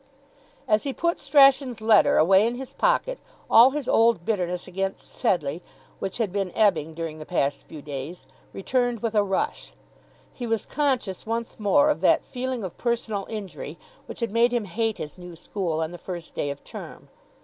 As he put Strachan's letter away in his pocket, all his old bitterness against Sedleigh, which had been ebbing during the past few days, returned with a rush. He was conscious once more of that feeling of personal injury which had made him hate his new school on the first day of term.